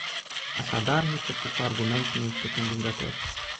Așadar, nici acest argument nu este convingător.